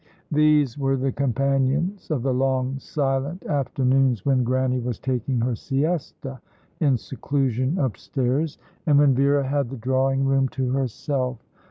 These were the companions of the long silent afternoons, when Grannie was taking her siesta in seclusion upstairs, and when Vera had the drawing room to herself.